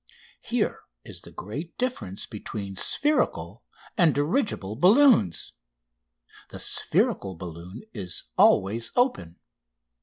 Here is the great difference between spherical and dirigible balloons. The spherical balloon is always open.